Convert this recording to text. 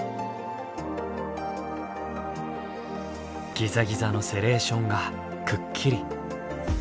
ギザギザのセレーションがくっきり。